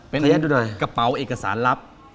เป็นกระเป๋าเอกสารลับ